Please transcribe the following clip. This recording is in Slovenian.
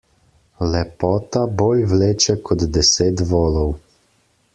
Lepota bolj vleče kot deset volov.